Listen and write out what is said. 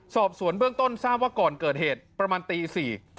สอบสวนเบื้องต้นทราบว่าก่อนเกิดเหตุประมาณตี๔